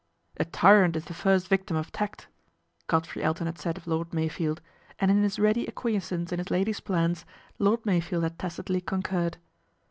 " A tyrant is the first victim of tact," Godfrey Elton had said of Lord Meyfield, and in his ready acquiescence in his lady's plans Lord Meyfield had tacitly concurred.